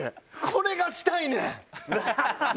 これしたいねん！